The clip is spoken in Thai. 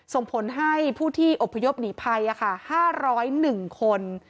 ส่งผลให้ผู้ที่อบพยพหนีภัย๕๐๑คน